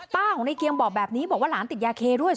ของในเกียงบอกแบบนี้บอกว่าหลานติดยาเคด้วย